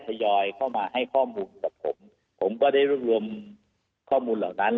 และก็สปอร์ตเรียนว่าคำน่าจะมีการล็อคกรมการสังขัดสปอร์ตเรื่องหน้าในวงการกีฬาประกอบสนับไทย